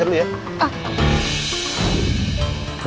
gak ada apa apa